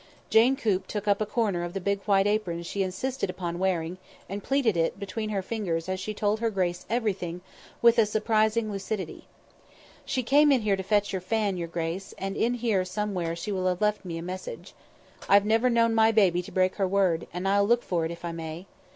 Jane Coop took up a corner of the big white apron she insisted upon wearing, and pleated it between her fingers as she told her grace everything with a surprising lucidity. "... She came in here to fetch her fan, your grace, and in here somewhere she will have left me a message. I've never known my baby to break her word, and I'll look for it, if I may.